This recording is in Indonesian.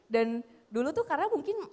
dan dulu tuh karena mungkin